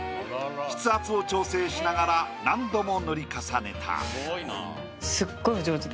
筆圧を調整しながら何度も塗り重ねた。